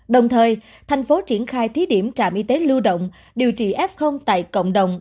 đồng thời thành phố triển khai thí điểm trạm y tế lưu động điều trị f tại cộng đồng